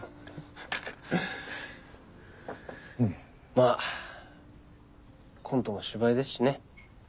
まあコントも芝居ですしね。